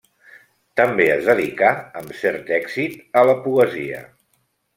També es dedicà, amb cert èxit, a la poesia.